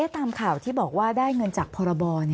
ตามข่าวที่บอกว่าได้เงินจากพรบ